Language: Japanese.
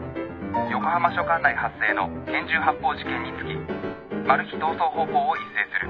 横浜署管内発生の拳銃発砲事件につきマル被逃走方向を一斉する。